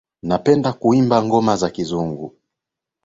Napenda kuimba ngoma za kizungu